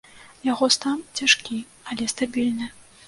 Яго стан цяжкі, але стабільны.